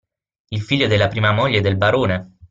Il figlio della prima moglie del barone?